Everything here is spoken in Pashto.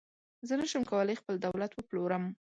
زه نشم کولای خپل دولت وپلورم.